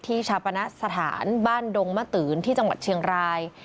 ชาปณะสถานบ้านดงมะตืนที่จังหวัดเชียงราย